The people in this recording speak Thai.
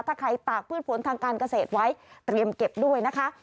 ถ้าใครตากพืชผลทางการเกษตรไว้เตรียมเก็บด้วยนะคะ